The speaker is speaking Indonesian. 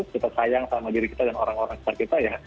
kita sayang sama diri kita dan orang orang sekitar kita ya